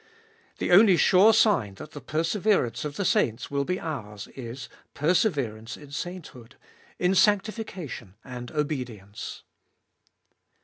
The only sure sign that the perseverance of the saints will be ours is — perseverance in sainthood, in sanctification and obedience.